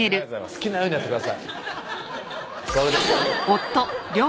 好きなようにやってくださいそれです